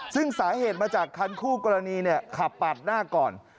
ซึ่งสาเหตุมาจากคันคู่กรณีขับปาดหน้าก่อน